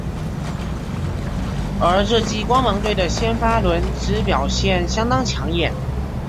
而这季光芒队的先发轮值表现相当抢眼。